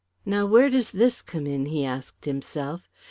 "Now where does this come in?" he asked himself.